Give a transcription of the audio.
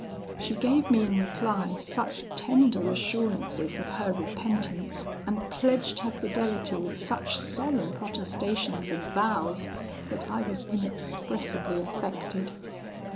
"She gave me in reply such tender assurances of her repentance, and pledged her fidelity with such solemn protestations and vows, that I was inexpressibly affected.